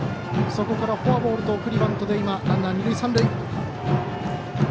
そこからフォアボールと送りバントでランナー二塁三塁。